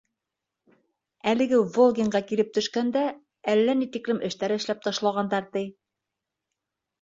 Әлеге Волгинға килеп төшкән дә, әллә ни тиклем эштәр эшләп ташлағандар, ти.